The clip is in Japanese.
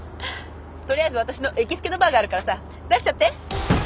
とりあえず私の行きつけのバーがあるからさ出しちゃって。